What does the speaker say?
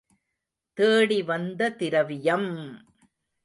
தேடி வந்த திரவியம்!